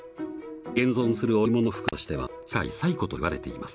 現存する織物の服としては世界最古といわれています。